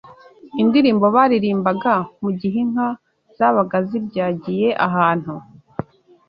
indirimbo baririmbaga mu gihe inka zabaga zibyagiye ahantu